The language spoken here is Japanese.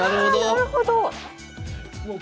なるほど。